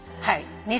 はい。